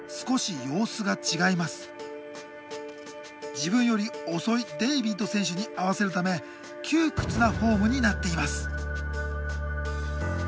自分より遅いデイビッド選手に合わせるため窮屈なフォームになっています。